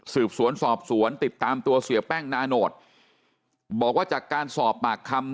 สืบสวนสอบสวนติดตามตัวเสียแป้งนาโนตบอกว่าจากการสอบปากคำ